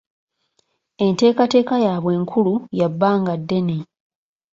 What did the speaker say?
Enteekateeka y'abwe enkulu ya bbanga ddene.